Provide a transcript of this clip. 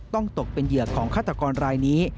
ตกเป็นเหยื่อของฆาตกรรายนี้